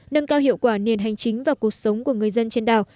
nâng cao hiệu quả nền hành chính và cuộc sống của người dân trên đảo